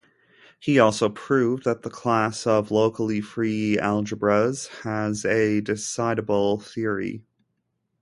He also proved that the class of locally free algebras has a decidable theory.